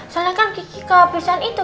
soalnya kan gigi kehabisan itu